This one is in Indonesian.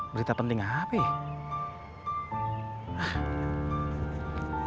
berita penting apa ya